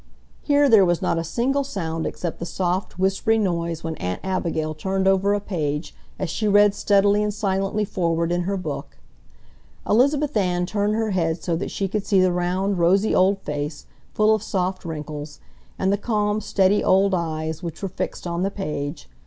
Here there was not a single sound except the soft, whispery noise when Aunt Abigail turned over a page as she read steadily and silently forward in her book. Elizabeth Ann turned her head so that she could see the round, rosy old face, full of soft wrinkles, and the calm, steady old eyes which were fixed on the page.